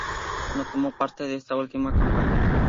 No tomó parte en esta última campaña.